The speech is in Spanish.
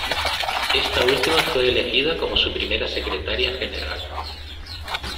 Esta última fue elegida como su primera secretaria general.